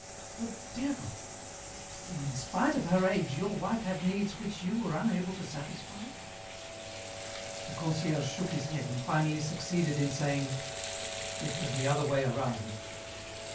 "The devil! Then, in spite of her age, your wife had needs which you were unable to satisfy?" The concierge shook his head and finally succeeded in saying, "It was the other way around."